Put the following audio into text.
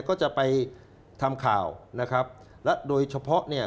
ก็จะไปทำข่าวนะครับและโดยเฉพาะเนี่ย